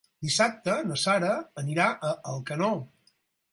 Dissabte na Sara anirà a Alcanó.